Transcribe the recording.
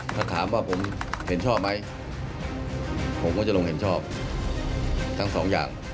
ถ้าถามว่าผมเห็นชอบไหมผมก็จะลงเห็นชอบทั้งสองอย่าง